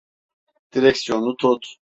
Direksiyonu tut.